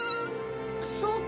そうか。